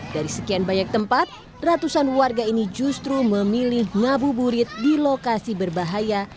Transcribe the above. dari sekian banyak tempat ratusan warga ini justru memilih ngabuburit di lokasi berbahaya